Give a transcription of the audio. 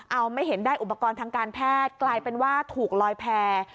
เอาไม่เห็นได้อุปกรณ์ทางการแพทย์กลายเป็นว่าถูกลอยแพร่